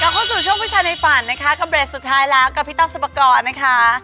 แล้วเข้าสู่ช่วงผู้ชายในฝันเพื่อสุดท้ายละกับพี่ต๊อบซับปากร